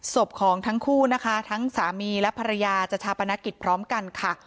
ศพของทั้งคู่นะคะทั้งสามีและภรรยาจะชาปนกิจพร้อมกันค่ะ